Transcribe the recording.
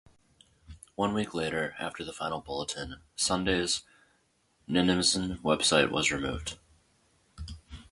One week later after the final bulletin, "Sunday"'s Ninemsn website was removed.